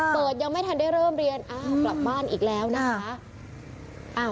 ยังไม่ทันได้เริ่มเรียนอ้าวกลับบ้านอีกแล้วนะคะ